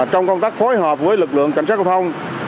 trong công tác phối hợp với lực lượng cảnh sát công an thành phố